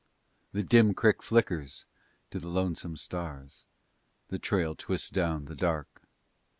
The dim creek flickers to the lonesome stars; The trail twists down the dark.